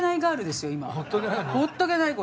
ほっとけないの？